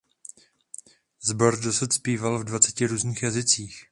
Sbor dosud zpíval v dvaceti různých jazycích.